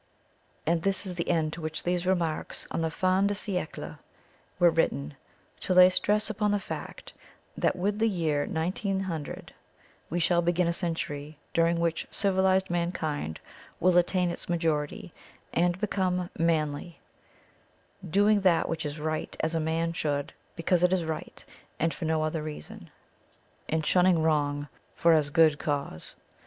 And this is the end to which these remarks on the fin de siècle were written, to lay stress upon the fact that with the year Nineteen Hundred we shall begin a century during which civilized mankind will attain its majority and become manly, doing that which is right as a man should, because it is right and for no other reason, and shunning wrong for as good cause.